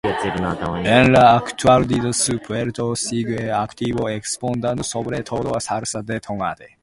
En la actualidad su puerto sigue activo, exportando sobre todo salsa de tomate.